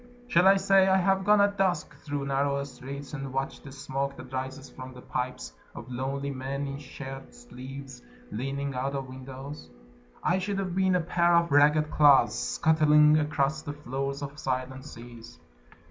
..... Shall I say, I have gone at dusk through narrow streets And watched the smoke that rises from the pipes Of lonely men in shirt sleeves, leaning out of windows? ... I should have been a pair of ragged claws Scuttling across the floors of silent seas.